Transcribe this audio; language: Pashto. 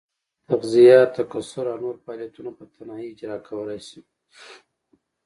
تغذیه، تکثر او نور فعالیتونه په تنهایي اجرا کولای شي.